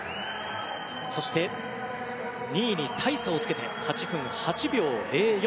そして２位に大差をつけて８分８秒０４。